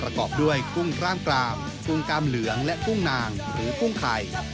ประกอบด้วยกุ้งกล้ามกรามกุ้งกล้ามเหลืองและกุ้งนางหรือกุ้งไข่